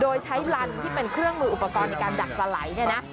โดยใช้ลันที่เป็นเครื่องมืออุปกรณ์ในการดักสไหลเนี่ยนะ